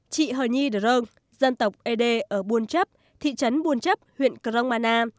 chị hờ nhi đờ rơ dân tộc ede ở buôn chấp thị trấn buôn chấp huyện crong mana